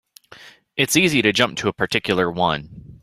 It's easy to jump to a particular one.